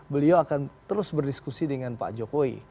beliau akan terus berdiskusi dengan pak jokowi